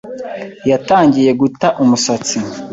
yatangiye guta umusatsi.